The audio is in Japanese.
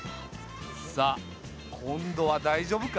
さあ今度は大丈夫か？